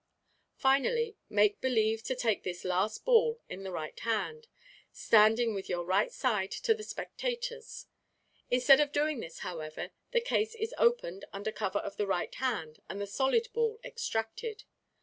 Finally, make believe to take this last ball in the right hand, standing with your right side to the spectators. Instead of doing this, however, the case is opened under cover of the right hand and the solid ball extracted.